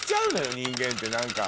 人間って何か。